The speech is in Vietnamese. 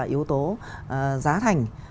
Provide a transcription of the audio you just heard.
yếu tố giá thành